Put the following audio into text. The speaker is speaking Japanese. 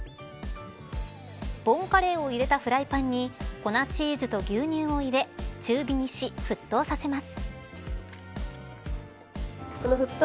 ボンカレーを入れたフライパンに粉チーズと牛乳を入れ中火にし、沸騰させます。